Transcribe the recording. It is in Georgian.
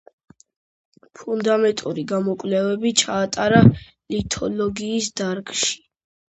ფუნდამენტური გამოკვლევები ჩაატარა ლითოლოგიის დარგში.